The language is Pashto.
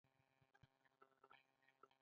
د زړو موافقو څخه سرغړونه شوې ده.